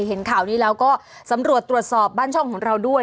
เห็นข่าวนี้แล้วก็สำรวจตรวจสอบบ้านช่องของเราด้วย